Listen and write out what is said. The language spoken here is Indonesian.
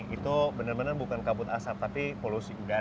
itu benar benar bukan kabut asap tapi polusi udara